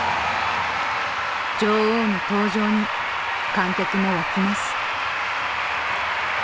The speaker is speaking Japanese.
女王の登場に観客も沸きます。